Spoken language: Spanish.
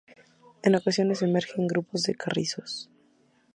En ocasiones emergen grupos de carrizos.